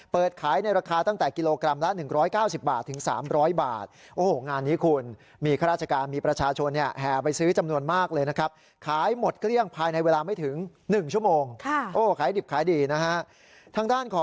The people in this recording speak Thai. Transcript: เปิดขายในราคาตั้งแต่กิโลกรัมละ๑๙๐บาทถึง๓๐๐บาท